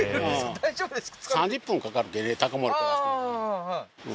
大丈夫ですか？